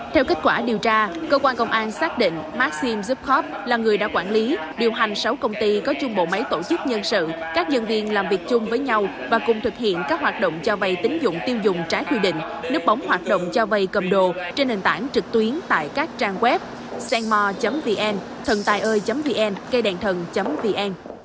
theo kết quả điều tra cơ quan công an xác định maxim zhukov là người đã quản lý điều hành sáu công ty có chung bộ máy tổ chức nhân sự các dân viên làm việc chung với nhau và cùng thực hiện các hoạt động cho vai tín dụng tiêu dùng trái quy định nước bóng hoạt động cho vai cầm đồ trên nền tảng trực tuyến tại các trang web senmo vn thầntaioi vn cây đèn thần vn